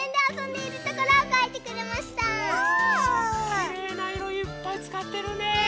きれいないろいっぱいつかってるね。